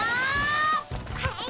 はい！